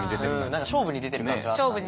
何か勝負に出てる感じはあったんで。